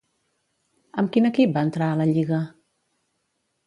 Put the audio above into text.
Amb quin equip va entrar a la lliga?